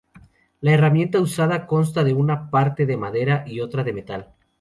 La herramienta usada consta de una parte de madera y otra de metal.